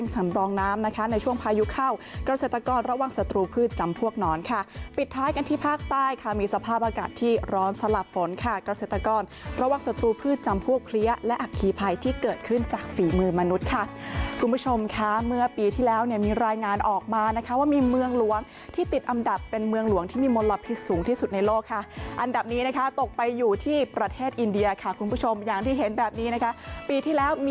สลับฝนค่ะกราเซตตากรระวังสตรูพืชจำพวกเคลียะและอักขีภัยที่เกิดขึ้นจากฝีมือมนุษย์ค่ะคุณผู้ชมค้าเมื่อปีที่แล้วเนี่ยมีรายงานออกมานะคะว่ามีเมืองหลวงที่ติดอำดับเป็นเมืองหลวงที่มีมลบพิษสูงที่สุดในโลกค่ะอันดับนี้นะคะตกไปอยู่ที่ประเทศอินเดียค่ะคุณผู้ชมอย่างที่เห็นแบ